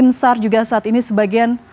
masalah juga saat ini sebagian